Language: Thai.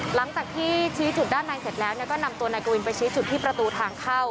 หลังจากที่ชี้จุดด้านในเสร็จแล้วก็นำตัวนายกวินไปชี้จุดที่ประตูทางเข้า